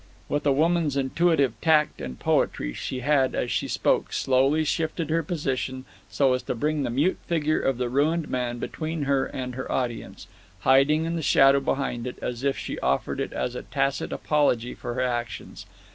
With a woman's intuitive tact and poetry, she had, as she spoke, slowly shifted her position so as to bring the mute figure of the ruined man between her and her audience, hiding in the shadow behind it, as if she offered it as a tacit apology for her actions.